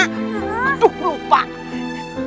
selalu terima kasih bayi rumi